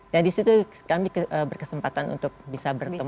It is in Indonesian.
dan di situ kami berkesempatan untuk bisa bertemu